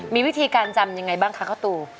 มีวิธีการจำยังไงบ้างคะข้าวตู